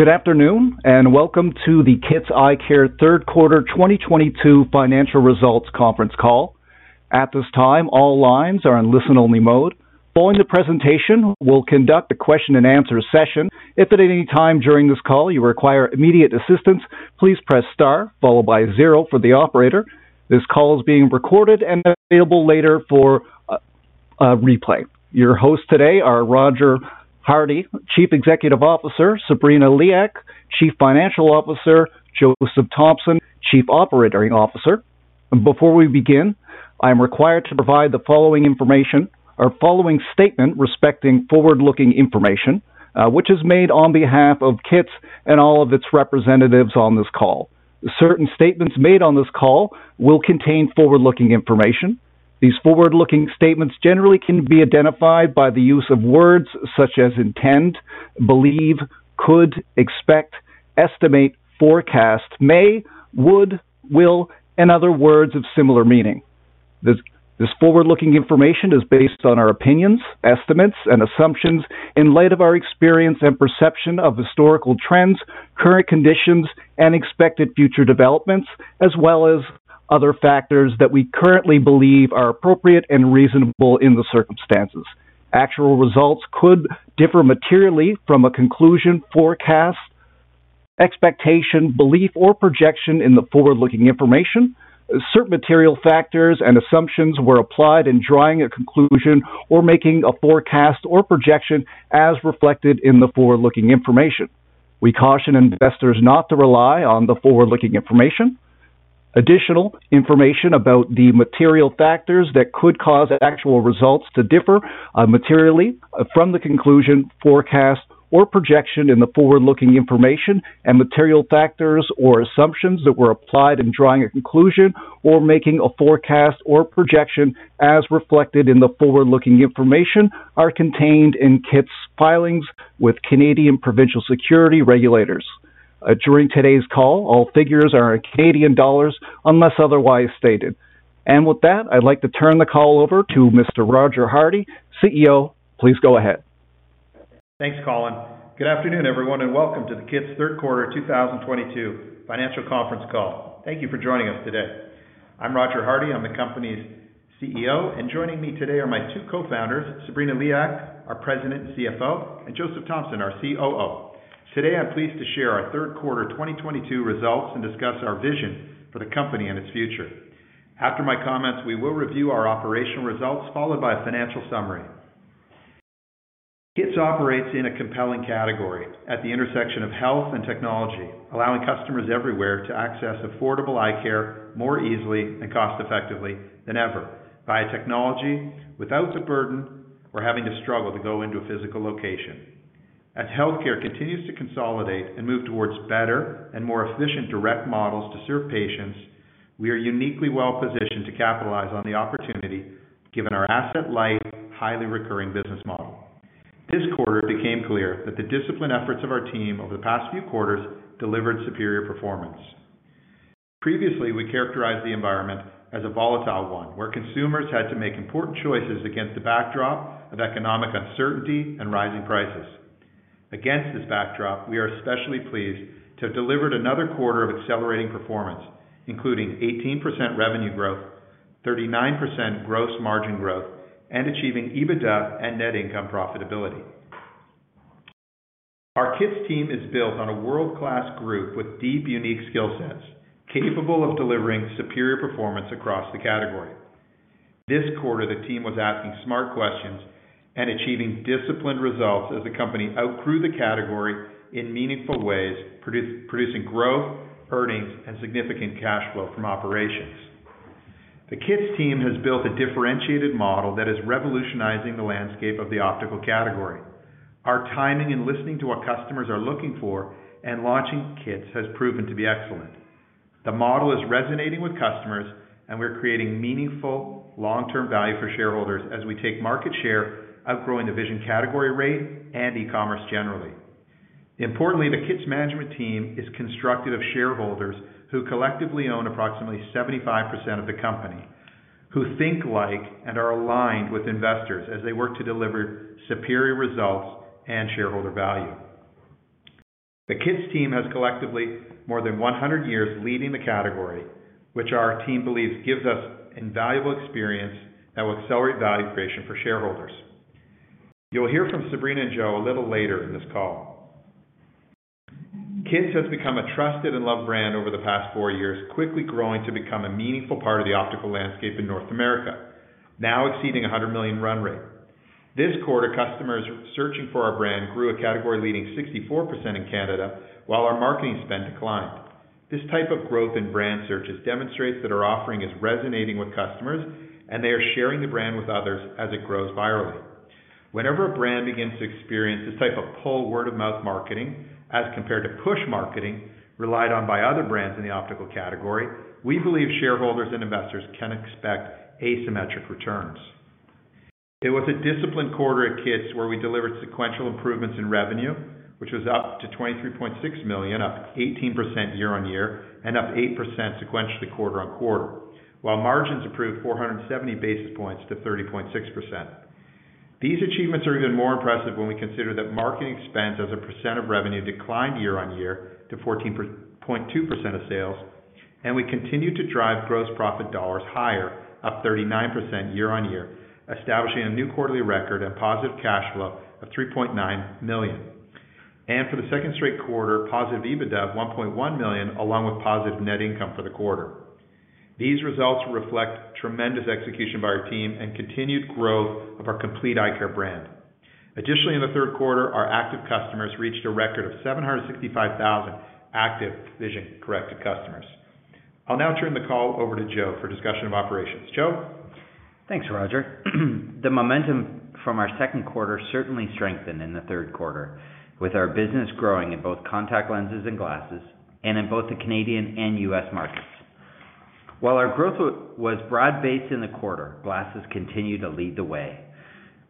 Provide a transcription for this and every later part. Good afternoon, and welcome to the Kits Eyecare Third Quarter 2022 Financial Results Conference Call. At this time, all lines are in listen-only mode. Following the presentation, we'll conduct a question-and-answer session. If at any time during this call you require immediate assistance, please press star followed by zero for the operator. This call is being recorded and available later for replay. Your hosts today are Roger Hardy, Chief Executive Officer, Sabrina Liak, Chief Financial Officer, Joseph Thompson, Chief Operating Officer. Before we begin, I am required to provide the following information or following statement respecting forward-looking information, which is made on behalf of Kits and all of its representatives on this call. Certain statements made on this call will contain forward-looking information. These forward-looking statements generally can be identified by the use of words such as intend, believe, could, expect, estimate, forecast, may, would, will, and other words of similar meaning. This forward-looking information is based on our opinions, estimates, and assumptions in light of our experience and perception of historical trends, current conditions, and expected future developments, as well as other factors that we currently believe are appropriate and reasonable in the circumstances. Actual results could differ materially from a conclusion, forecast, expectation, belief, or projection in the forward-looking information. Certain material factors and assumptions were applied in drawing a conclusion or making a forecast or projection as reflected in the forward-looking information. We caution investors not to rely on the forward-looking information. Additional information about the material factors that could cause actual results to differ materially from the conclusion, forecast, or projection in the forward-looking information and material factors or assumptions that were applied in drawing a conclusion or making a forecast or projection as reflected in the forward-looking information are contained in Kits' filings with Canadian provincial securities regulators. During today's call, all figures are in Canadian dollars unless otherwise stated. With that, I'd like to turn the call over to Mr. Roger Hardy, CEO. Please go ahead. Thanks, Colin. Good afternoon, everyone, and welcome to the Kits Third Quarter 2022 Financial Conference Call. Thank you for joining us today. I'm Roger Hardy. I'm the company's CEO, and joining me today are my two co-founders, Sabrina Liak, our President and CFO, and Joseph Thompson, our COO. Today, I'm pleased to share our third quarter 2022 results and discuss our vision for the company and its future. After my comments, we will review our operational results, followed by a financial summary. Kits operates in a compelling category at the intersection of health and technology, allowing customers everywhere to access affordable eye care more easily and cost effectively than ever via technology without the burden of having to struggle to go into a physical location. As healthcare continues to consolidate and move towards better and more efficient direct models to serve patients, we are uniquely well-positioned to capitalize on the opportunity given our asset-light, highly recurring business model. This quarter, it became clear that the disciplined efforts of our team over the past few quarters delivered superior performance. Previously, we characterized the environment as a volatile one, where consumers had to make important choices against the backdrop of economic uncertainty and rising prices. Against this backdrop, we are especially pleased to have delivered another quarter of accelerating performance, including 18% revenue growth, 39% gross margin growth, and achieving EBITDA and net income profitability. Our Kits team is built on a world-class group with deep, unique skill sets, capable of delivering superior performance across the category. This quarter, the team was asking smart questions and achieving disciplined results as the company outgrew the category in meaningful ways, producing growth, earnings, and significant cash flow from operations. The Kits team has built a differentiated model that is revolutionizing the landscape of the optical category. Our timing in listening to what customers are looking for and launching Kits has proven to be excellent. The model is resonating with customers, and we're creating meaningful long-term value for shareholders as we take market share, outgrowing the vision category rate and e-commerce generally. Importantly, the Kits management team is constructed of shareholders who collectively own approximately 75% of the company, who think like and are aligned with investors as they work to deliver superior results and shareholder value. The Kits team has collectively more than 100 years leading the category, which our team believes gives us invaluable experience that will accelerate value creation for shareholders. You'll hear from Sabrina and Joe a little later in this call. Kits has become a trusted and loved brand over the past four years, quickly growing to become a meaningful part of the optical landscape in North America, now exceeding 100 million run rate. This quarter, customers searching for our brand grew a category-leading 64% in Canada while our marketing spend declined. This type of growth in brand searches demonstrates that our offering is resonating with customers, and they are sharing the brand with others as it grows virally. Whenever a brand begins to experience this type of pull word-of-mouth marketing as compared to push marketing relied on by other brands in the optical category, we believe shareholders and investors can expect asymmetric returns. It was a disciplined quarter at Kits where we delivered sequential improvements in revenue, which was up to 23.6 million, up 18% year-over-year and up 8% sequentially quarter-over-quarter, while margins improved 470 basis points to 30.6%. These achievements are even more impressive when we consider that marketing expense as a percent of revenue declined year-on-year to 14.2% of sales, and we continued to drive gross profit dollars higher, up 39% year-on-year, establishing a new quarterly record and positive cash flow of 3.9 million. For the second straight quarter, positive EBITDA of 1.1 million, along with positive net income for the quarter. These results reflect tremendous execution by our team and continued growth of our complete eye care brand. Additionally, in the third quarter, our active customers reached a record of 765,000 active vision corrected customers. I'll now turn the call over to Joe for discussion of operations. Joe. Thanks, Roger. The momentum from our second quarter certainly strengthened in the third quarter with our business growing in both contact lenses and glasses, and in both the Canadian and U.S. markets. While our growth was broad-based in the quarter, glasses continued to lead the way.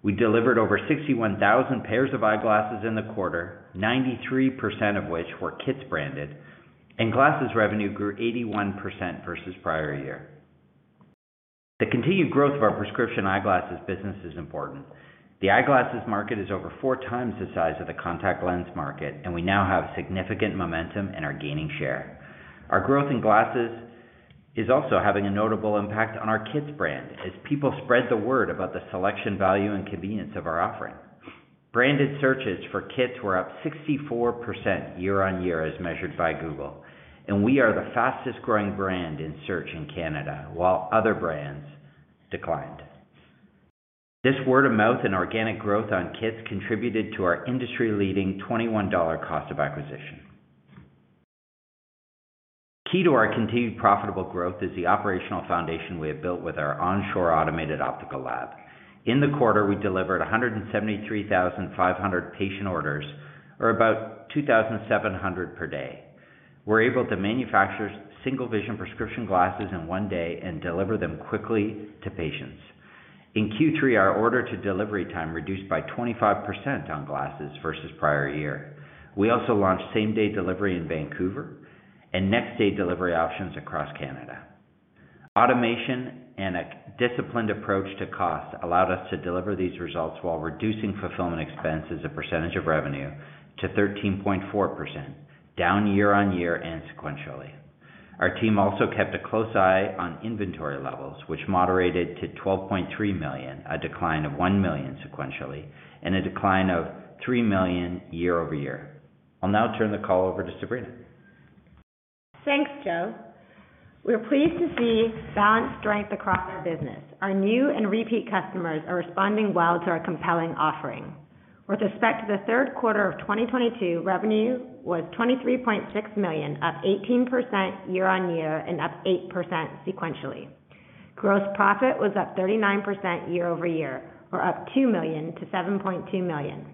We delivered over 61,000 pairs of eyeglasses in the quarter, 93% of which were Kits branded, and glasses revenue grew 81% versus prior year. The continued growth of our prescription eyeglasses business is important. The eyeglasses market is over four times the size of the contact lens market, and we now have significant momentum and are gaining share. Our growth in glasses is also having a notable impact on our Kits brand as people spread the word about the selection, value, and convenience of our offering. Branded searches for Kits were up 64% year-over-year as measured by Google, and we are the fastest growing brand in search in Canada while other brands declined. This word of mouth and organic growth on Kits contributed to our industry-leading 21 dollar cost of acquisition. Key to our continued profitable growth is the operational foundation we have built with our onshore automated optical lab. In the quarter, we delivered 173,500 patient orders, or about 2,700 per day. We're able to manufacture single vision prescription glasses in one day and deliver them quickly to patients. In Q3, our order-to-delivery time reduced by 25% on glasses versus prior year. We also launched same-day delivery in Vancouver and next-day delivery options across Canada. Automation and a disciplined approach to cost allowed us to deliver these results while reducing fulfillment expenses as a percentage of revenue to 13.4%, down year-over-year and sequentially. Our team also kept a close eye on inventory levels, which moderated to 12.3 million, a decline of 1 million sequentially and a decline of 3 million year-over-year. I'll now turn the call over to Sabrina. Thanks, Joe. We're pleased to see balanced strength across our business. Our new and repeat customers are responding well to our compelling offering. With respect to the third quarter of 2022, revenue was CAD 23.6 million, up 18% year-over-year and up 8% sequentially. Gross profit was up 39% year-over-year, or up 2 million-7.2 million.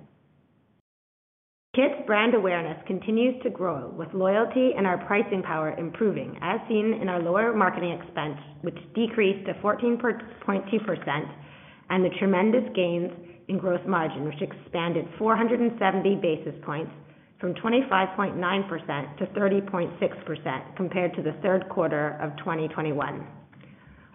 Kits brand awareness continues to grow with loyalty and our pricing power improving, as seen in our lower marketing expense, which decreased to 14.2%, and the tremendous gains in gross margin, which expanded 470 basis points from 25.9%-30.6% compared to the third quarter of 2021.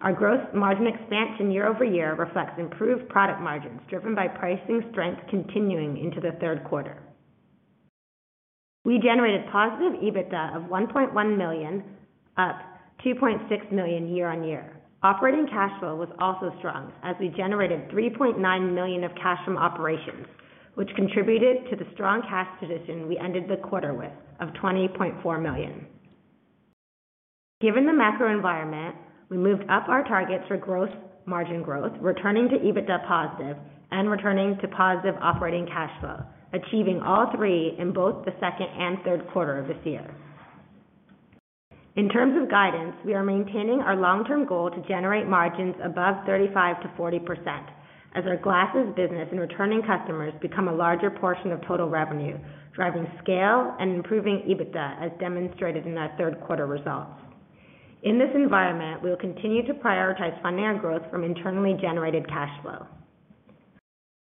Our gross margin expansion year-over-year reflects improved product margins driven by pricing strength continuing into the third quarter. We generated positive EBITDA of 1.1 million, up 2.6 million year-over-year. Operating cash flow was also strong as we generated 3.9 million of cash from operations, which contributed to the strong cash position we ended the quarter with of 20.4 million. Given the macro environment, we moved up our targets for gross margin growth, returning to EBITDA positive and returning to positive operating cash flow, achieving all three in both the second and third quarter of this year. In terms of guidance, we are maintaining our long-term goal to generate margins above 35%-40% as our glasses business and returning customers become a larger portion of total revenue, driving scale and improving EBITDA as demonstrated in our third quarter results. In this environment, we will continue to prioritize funding our growth from internally generated cash flow.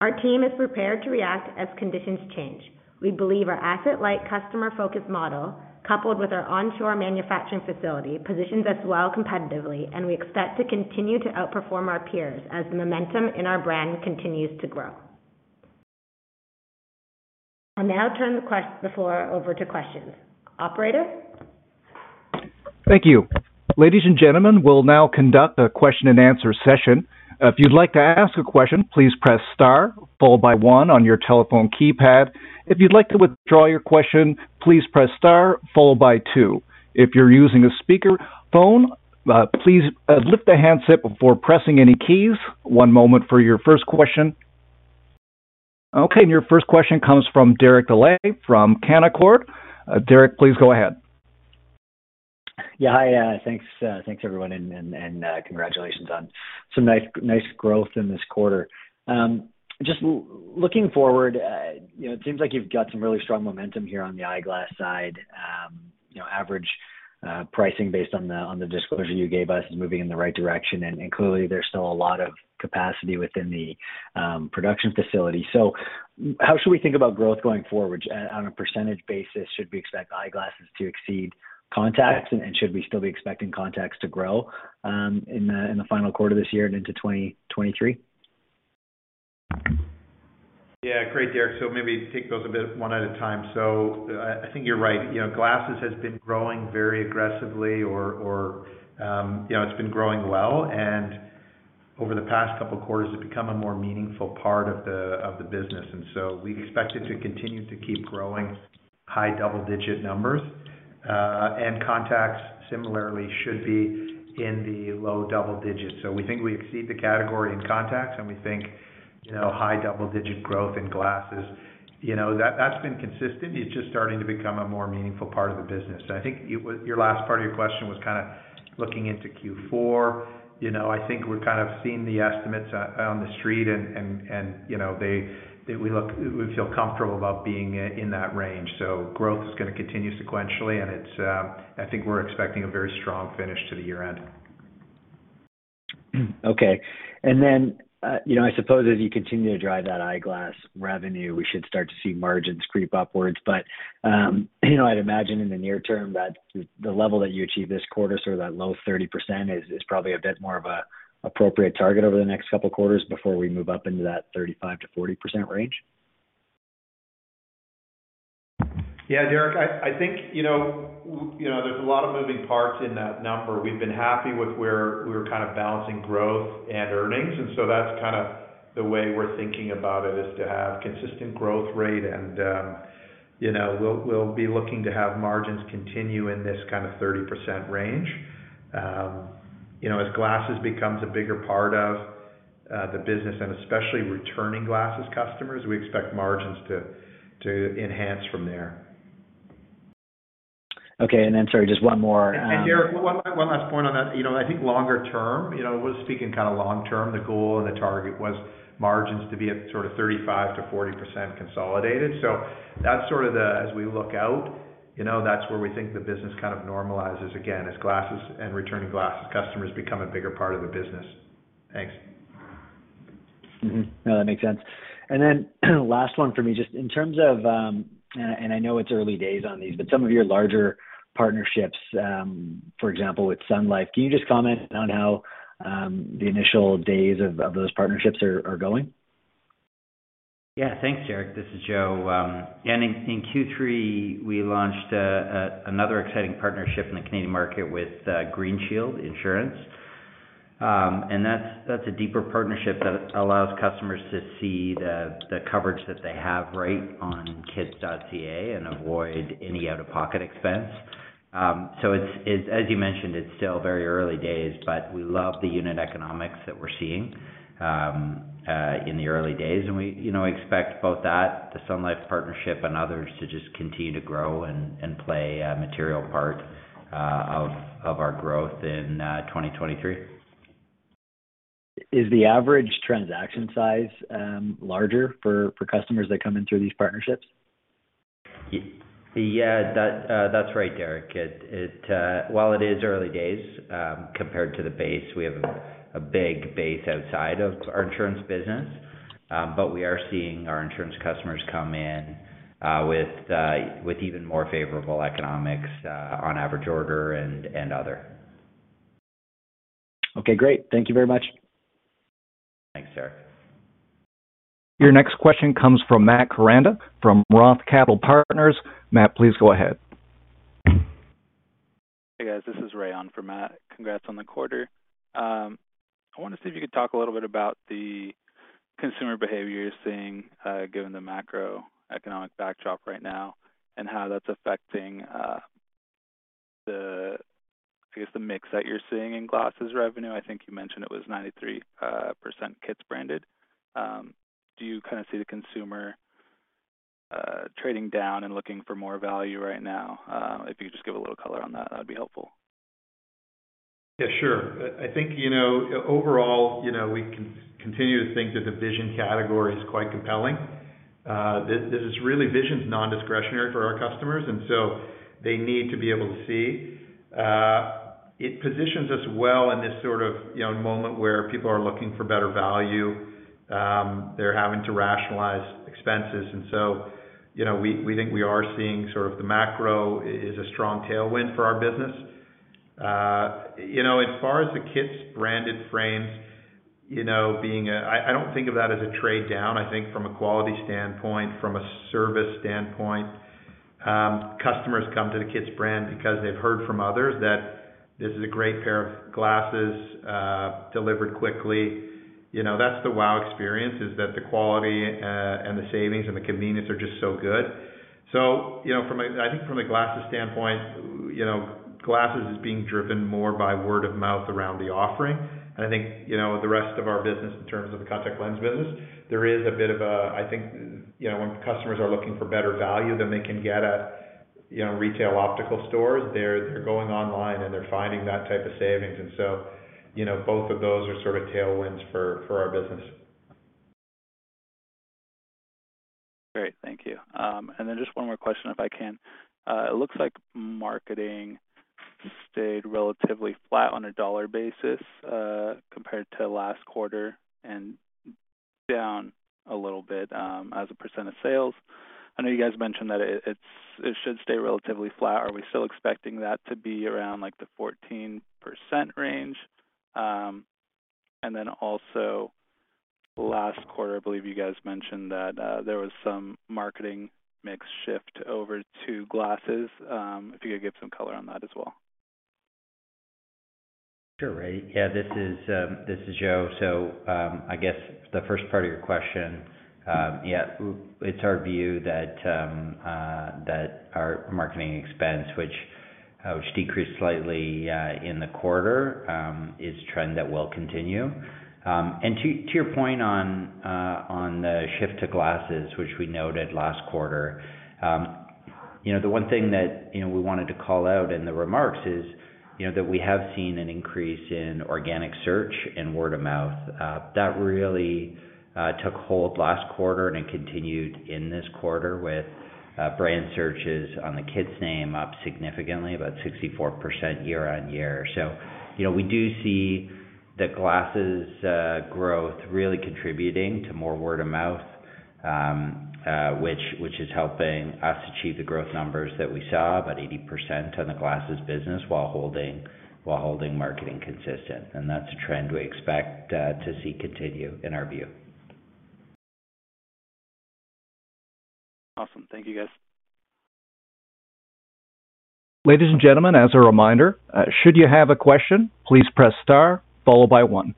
Our team is prepared to react as conditions change. We believe our asset-light customer-focused model, coupled with our onshore manufacturing facility, positions us well competitively, and we expect to continue to outperform our peers as the momentum in our brand continues to grow. I'll now turn the floor over to questions. Operator. Thank you. Ladies, and gentlemen, we'll now conduct a question-and-answer session. If you'd like to ask a question, please press star followed by one on your telephone keypad. If you'd like to withdraw your question, please press star followed by two. If you're using a speakerphone, please lift the handset before pressing any keys. One moment for your first question. Okay, your first question comes from Derek Dley from Canaccord Genuity. Derek, please go ahead. Yeah. Hi, thanks. Thanks everyone and congratulations on some nice growth in this quarter. Just looking forward, you know, it seems like you've got some really strong momentum here on the eyeglass side. You know, average pricing based on the disclosure you gave us is moving in the right direction, and clearly there's still a lot of capacity within the production facility. How should we think about growth going forward, which on a percentage basis, should we expect eyeglasses to exceed contacts? And should we still be expecting contacts to grow in the final quarter of this year and into 2023? Yeah. Great, Derek. Maybe take those a bit one at a time. I think you're right. You know, glasses has been growing very aggressively. You know, it's been growing well. Over the past couple of quarters, it's become a more meaningful part of the business. We expect it to continue to keep growing high double-digit numbers. Contacts similarly should be in the low double digits. We think we exceed the category in contacts, and we think, you know, high double-digit growth in glasses. You know, that's been consistent. It's just starting to become a more meaningful part of the business. I think your last part of your question was kinda looking into Q4. You know, I think we're kind of seeing the estimates on the street and, you know, we feel comfortable about being in that range. Growth is gonna continue sequentially, and it's I think we're expecting a very strong finish to the year-end. Okay. You know, I suppose as you continue to drive that eyeglass revenue, we should start to see margins creep upwards. You know, I'd imagine in the near term that the level that you achieve this quarter, sort of that low 30% is probably a bit more of an appropriate target over the next couple quarters before we move up into that 35%-40% range. Yeah, Derek. I think, you know, there's a lot of moving parts in that number. We've been happy with where we're kind of balancing growth and earnings, and so that's kinda the way we're thinking about it, is to have consistent growth rate. You know, we'll be looking to have margins continue in this kind of 30% range. You know, as glasses becomes a bigger part of the business and especially returning glasses customers, we expect margins to enhance from there. Okay. Sorry, just one more. Derek, one last point on that. You know, I think longer term, you know, we're speaking kinda long term, the goal and the target was margins to be at sort of 35%-40% consolidated. That's sort of the, as we look out, you know, that's where we think the business kind of normalizes again, as glasses and returning glasses customers become a bigger part of the business. Thanks. Mm-hmm. No, that makes sense. Then last one for me, just in terms of, and I know it's early days on these, but some of your larger partnerships, for example, with Sun Life, can you just comment on how, the initial days of those partnerships are going? Yeah. Thanks, Derek. This is Joe. Yeah, in Q3, we launched another exciting partnership in the Canadian market with Green Shield Canada. That's a deeper partnership that allows customers to see the coverage that they have right on Kits.ca and avoid any out-of-pocket expense. It's as you mentioned, it's still very early days, but we love the unit economics that we're seeing in the early days. We you know, expect both that, the Sun Life partnership and others to just continue to grow and play a material part of our growth in 2023. Is the average transaction size larger for customers that come in through these partnerships? Yeah. That's right, Derek. While it is early days, compared to the base, we have a big base outside of our insurance business. We are seeing our insurance customers come in with even more favorable economics on average order and other. Okay, great. Thank you very much. Thanks, Derek. Your next question comes from Matt Koranda, from Roth Capital Partners. Matt, please go ahead. Hey, guys. This is Ray on for Matt. Congrats on the quarter. I wanna see if you could talk a little bit about the consumer behavior you're seeing, given the macroeconomic backdrop right now and how that's affecting, I guess, the mix that you're seeing in glasses revenue. I think you mentioned it was 93% Kits branded. Do you kinda see the consumer trading down and looking for more value right now? If you could just give a little color on that'd be helpful. Yeah, sure. I think, you know, overall, you know, we continue to think that the vision category is quite compelling. This is really vision's non-discretionary for our customers, and so they need to be able to see. It positions us well in this sort of, you know, moment where people are looking for better value. They're having to rationalize expenses. You know, we think we are seeing sort of the macro is a strong tailwind for our business. You know, as far as the Kits branded frames, you know, being a trade-down. I don't think of that as a trade-down. I think from a quality standpoint, from a service standpoint, customers come to the Kits brand because they've heard from others that this is a great pair of glasses, delivered quickly. You know, that's the wow experience, is that the quality and the savings and the convenience are just so good. You know, I think from a glasses standpoint, you know, glasses is being driven more by word of mouth around the offering. I think, you know, the rest of our business in terms of the contact lens business, there is a bit of a, I think, you know, when customers are looking for better value than they can get at, you know, retail optical stores, they're going online, and they're finding that type of savings. You know, both of those are sort of tailwinds for our business. Great. Thank you. Just one more question, if I can. It looks like marketing stayed relatively flat on a dollar basis, compared to last quarter and down a little bit, as a percent of sales. I know you guys mentioned that it should stay relatively flat. Are we still expecting that to be around like the 14% range? Also last quarter, I believe you guys mentioned that there was some marketing mix shift over to glasses. If you could give some color on that as well. Sure, Ray. This is Joe. I guess the first part of your question, it's our view that our marketing expense, which decreased slightly in the quarter, is a trend that will continue. To your point on the shift to glasses, which we noted last quarter, you know, the one thing that, you know, we wanted to call out in the remarks is, you know, that we have seen an increase in organic search and word of mouth. That really took hold last quarter and it continued in this quarter with brand searches on the Kits name up significantly, about 64% year-over-year. You know, we do see the glasses growth really contributing to more word of mouth, which is helping us achieve the growth numbers that we saw, about 80% on the glasses business while holding marketing consistent. That's a trend we expect to see continue in our view. Awesome. Thank you, guys. Ladies, and gentlemen, as a reminder, should you have a question, please press star followed by one.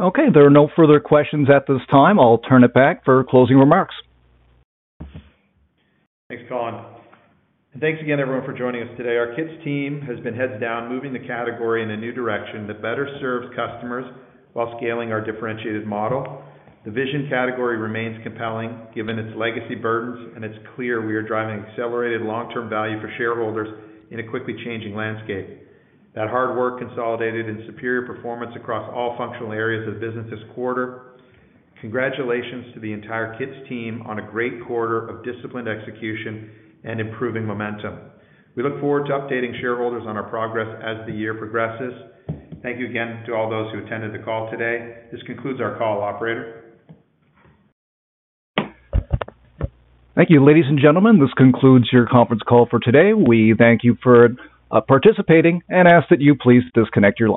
Okay, there are no further questions at this time. I'll turn it back for closing remarks. Thanks, Colin. Thanks again everyone for joining us today. Our Kits team has been heads down, moving the category in a new direction that better serves customers while scaling our differentiated model. The vision category remains compelling given its legacy burdens, and it's clear we are driving accelerated long-term value for shareholders in a quickly changing landscape. That hard work consolidated in superior performance across all functional areas of the business this quarter. Congratulations to the entire Kits team on a great quarter of disciplined execution and improving momentum. We look forward to updating shareholders on our progress as the year progresses. Thank you again to all those who attended the call today. This concludes our call, operator. Thank you, ladies, and gentlemen. This concludes your conference call for today. We thank you for participating and ask that you please disconnect your lines.